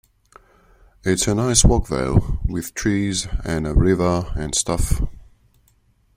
It's a nice walk though, with trees and a river and stuff.